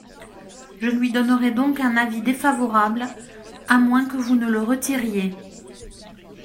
Je lui donnerai donc un avis défavorable, à moins que vous ne le retiriez.